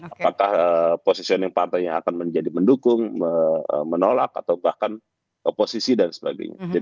apakah positioning partainya akan menjadi mendukung menolak atau bahkan oposisi dan sebagainya